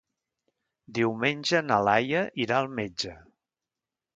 Diumenge na Laia irà al metge.